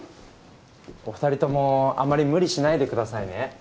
お２人共あまり無理しないでくださいね。